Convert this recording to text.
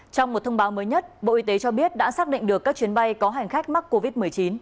trong một thông báo mới nhất bộ y tế cho biết đã xác định được các chuyến bay có hành khách mắc covid một mươi chín